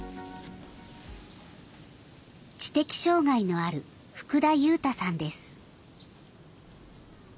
知的障害のある福田悠太さんです。